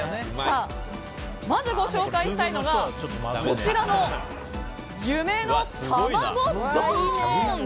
まず、ご紹介したいのがこちらの夢の卵丼！